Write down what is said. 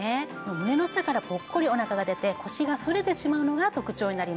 胸の下からポッコリお腹が出て腰が反れてしまうのが特徴になります。